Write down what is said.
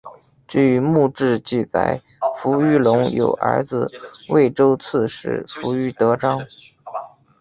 据墓志记载扶余隆有儿子渭州刺史扶余德璋。